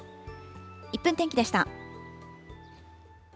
１分天気でした。